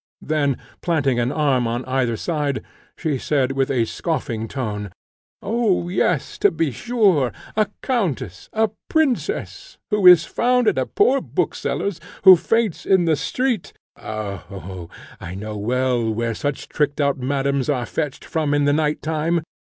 Then, planting an arm in either side, she said with a scoffing tone, "Oh yes, to be sure, a countess! a princess! who is found at a poor bookseller's, who faints in the street! Ho! ho! I know well where such tricked out madams are fetched from in the night time.